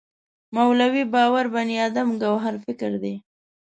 مولوی باور بني ادم ګوهر فکر دی.